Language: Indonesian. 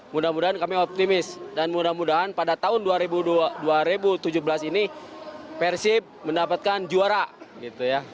mudah mudahan kami optimis dan mudah mudahan pada tahun dua ribu tujuh belas ini persib mendapatkan juara gitu ya